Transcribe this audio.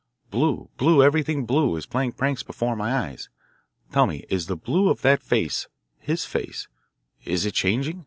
Blue, blue everything blue is playing pranks before my eyes. Tell me, is the blue of that face his face is it changing?